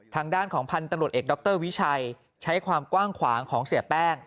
ทางด้านของพันธุ์ตำรวจเอกดรวิชัยใช้ความกว้างขวางของเสียแป้ง